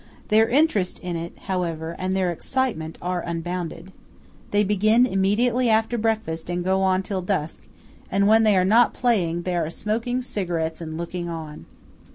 Their interest in it, however, and their excitement are unbounded. They begin immediately after breakfast and go on till dusk; and when they are not playing, they are smoking cigarettes and looking on.